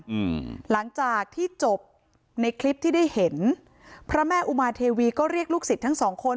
อืมหลังจากที่จบในคลิปที่ได้เห็นพระแม่อุมาเทวีก็เรียกลูกศิษย์ทั้งสองคน